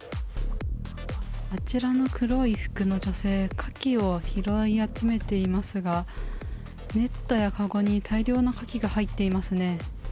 あちらの黒い服の女性カキを拾い集めていますがネットや籠に大量のカキが入っていますね。